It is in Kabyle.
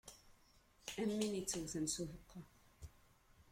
Am win ittewten s ubeqqa.